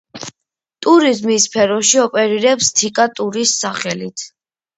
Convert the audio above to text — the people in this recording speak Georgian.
ტურიზმის სფეროში ოპერირებს „თიკა ტურის“ სახელით.